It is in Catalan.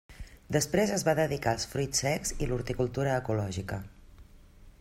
Després es va dedicar als fruits secs i l'horticultura ecològica.